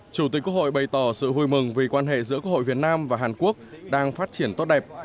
chủ tịch quốc hội bày tỏ sự vui mừng vì quan hệ giữa quốc hội việt nam và hàn quốc đang phát triển tốt đẹp